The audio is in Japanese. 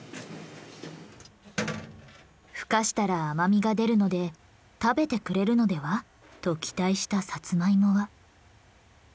ふかしたら甘みが出るので食べてくれるのではと期待したサツマイモは。